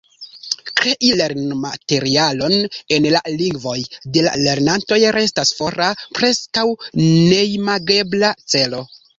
Krei lernomaterialon en la lingvoj de la lernantoj restas fora, preskaŭ neimagebla celo.